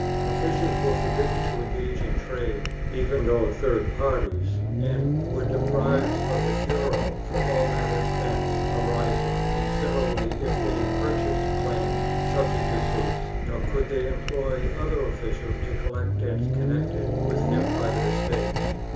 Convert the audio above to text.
Officials were forbidden to engage in trade, even through third parties, and were deprived of the f uero for all matters thence .arising, and similarly if they purchased claims subject to suits, nor could they employ other officials to collect debts connected with their private estates.